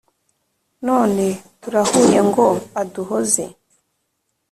None turahuye ngo aduhoze.